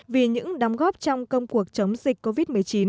vì những đóng góp trong công cuộc chống dịch covid một mươi chín